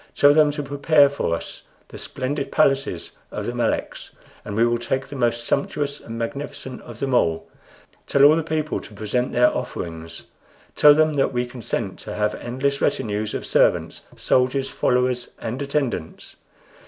Tell them to prepare for us the splendid palaces of the Meleks, for we will take the most sumptuous and magnificent of them all. Tell all the people to present their offerings. Tell them that we consent to have endless retinues of servants, soldiers, followers, and attendants.